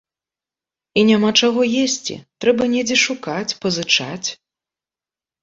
І няма чаго есці, трэба недзе шукаць, пазычаць.